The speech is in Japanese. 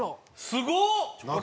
すごっ！